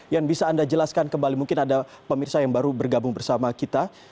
yang bisa anda jelaskan kembali mungkin ada pemirsa yang baru bergabung bersama kita